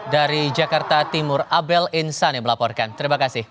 dari jakarta timur abel insan yang melaporkan terima kasih